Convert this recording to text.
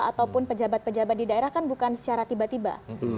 ataupun pejabat pejabat di daerah kan bukan secara tiba tiba